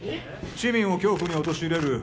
市民を恐怖に陥れる